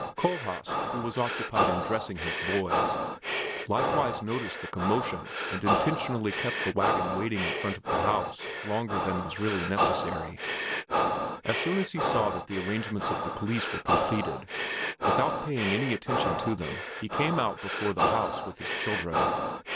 Kohlhaas, who was occupied in dressing his boys, likewise noticed the commotion and intentionally kept the wagon waiting in front of the house longer than was really necessary. As soon as he saw that the arrangements of the police were completed, without paying any attention to them he came out before the house with his children.